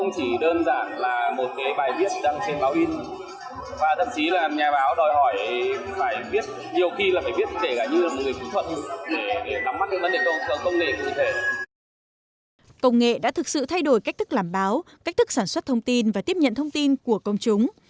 công nghệ đã thực sự thay đổi cách thức làm báo cách thức sản xuất thông tin và tiếp nhận thông tin của công chúng